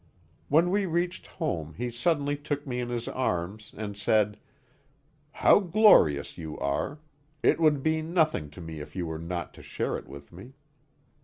When we reached home, he suddenly took me in his arms, and said: "How glorious you are! It would be nothing to me if you were not to share it with me."